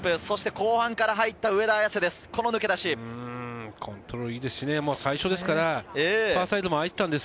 後半から入った上田綺世です。